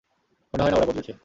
মনে হয় না ওরা বদলেছে।